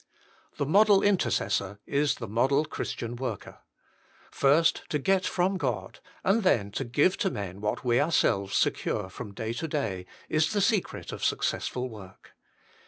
The Model Intercessor is the Model Christian Worker. First to get from God, and then to give to men what we ourselves secure from day to day, is the secret of successful work.